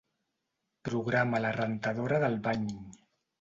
Programa la rentadora del bany.